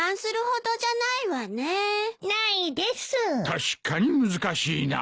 確かに難しいな。